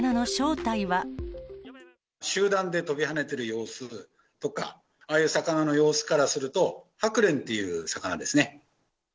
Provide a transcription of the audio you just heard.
集団で跳びはねている様子とか、ああいう魚の様子からすると、ハクレンっていう魚ですね。